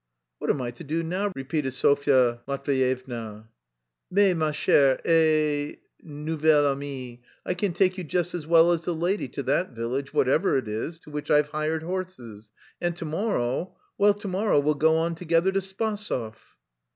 "What am I to do now?" repeated Sofya Matveyevna. "Mais, ma chère et nouvelle amie, I can take you just as well as the lady to that village, whatever it is, to which I've hired horses, and to morrow well, to morrow, we'll go on together to Spasov."